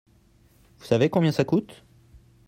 Vous savez combien ça coûte ?